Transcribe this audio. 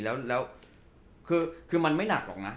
แล้วคือมันไม่หนักหรอกนะ